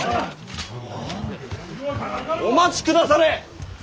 お待ちくだされ！